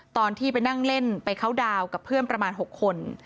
ตอนที่ไปนั่งเล่นไปเข้าดาวน์กับเพื่อนประมาณ๖คน